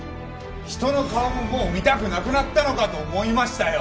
人の顔ももう見たくなくなったのかと思いましたよ！